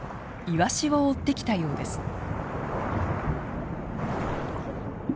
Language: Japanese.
イワシを追ってきたようです。